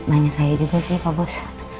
nanya saya juga sih pak bus